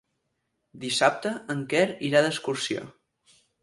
Dissabte en Quer irà d'excursió.